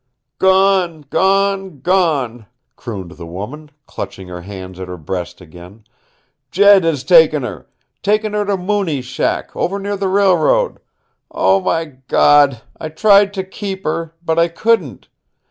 "Gone, gone, gone," crooned the woman, clutching her hands at her breast again. "Jed has taken her taken her to Mooney's shack, over near the railroad. Oh, my God! I tried to keep her, but I couldn't.